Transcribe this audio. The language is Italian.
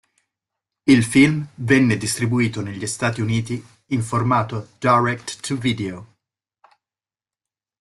Il film venne distribuito negli Stati Uniti in formato direct-to-video.